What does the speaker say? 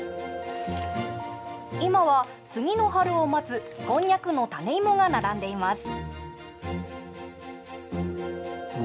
今は次の春を待つこんにゃくの種芋が並んでいます。